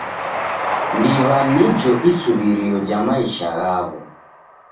Ndiw'a nijo isuw'irio ja maisha ghaw'o.